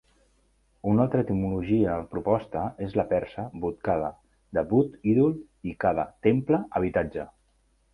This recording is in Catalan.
Una altra etimologia proposta és la persa "butkada", de "but", "ídol" i "kada", "temple, habitatge.